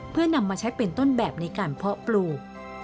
เพื่อนำมาใช้เป็นต้นแบบในการเพาะปลูก